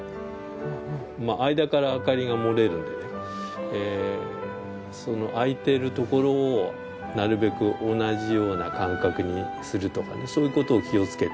間から明かりが漏れるので空いているところをなるべく同じような間隔にするとかそういう事を気をつけて。